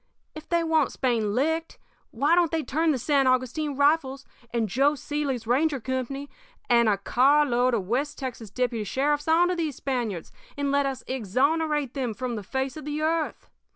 If they want Spain licked, why don't they turn the San Augustine Rifles and Joe Seely's ranger company and a car load of West Texas deputy sheriffs onto these Spaniards, and let us exonerate them from the face of the earth?